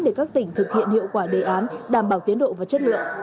để các tỉnh thực hiện hiệu quả đề án đảm bảo tiến độ và chất lượng